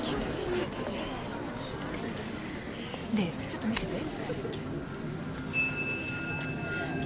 ちょっと見せて。